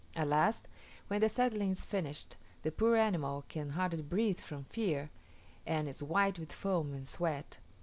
At last, when the saddling is finished, the poor animal can hardly breathe from fear, and is white with foam and sweat.